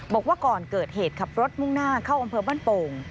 บอกว่าก่อนเกิดเหตุขับรถมุ่งหน้าเข้าอำเภอบ้านโป่ง